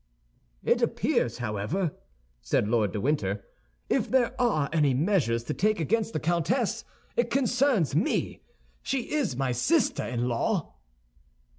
"It appears, however," said Lord de Winter, "if there are any measures to take against the countess, it concerns me; she is my sister in law."